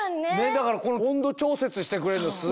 だから温度調節してくれるのすごいよね。